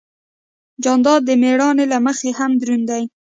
جانداد د مېړانې له مخې هم دروند دی.